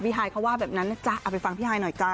พี่ไฮเขาว่าแบบนั้นนะจ๊ะเอาไปฟังพี่ไฮหน่อยจ๊ะ